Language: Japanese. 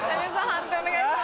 判定お願いします。